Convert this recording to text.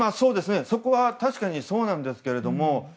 そこは確かにそうなんですけど